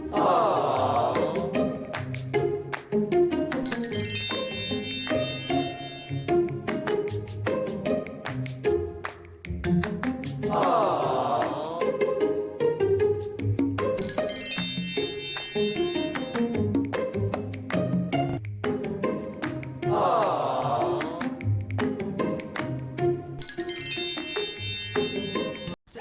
สวัสดีค่ะสวัสดีค่ะ